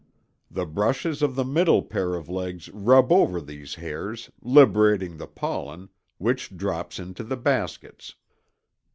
The brushes of the middle pair of legs rub over these hairs, liberating the pollen, which drops into the baskets.